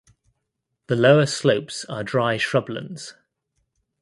The lower slopes are dry shrublands.